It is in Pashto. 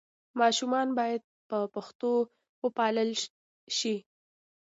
ماشومان باید په پښتو وپالل سي.